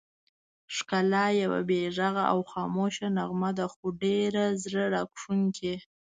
ښکلا یوه بې غږه او خاموشه نغمه ده، خو ډېره زړه راښکونکې.